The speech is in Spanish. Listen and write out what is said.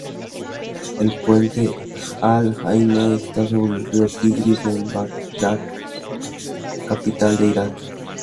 El puente Al-Ayma esta sobre el río Tigris en Bagdad, capital de Irak.